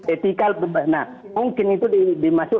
etika nah mungkin itu